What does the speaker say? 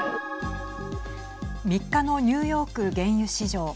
３日のニューヨーク原油市場。